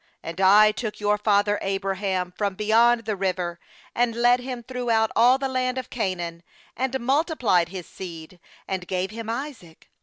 3And I took your father Abraham from beyond the River, and led him throughout ^ all the land of Canaan, and multiplied his seed, and gave him Isaac.